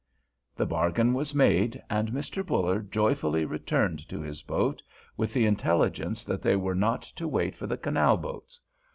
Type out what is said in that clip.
The bargain was made, and Mr. Buller joyfully returned to his boat with the intelligence that they were not to wait for the canal boats.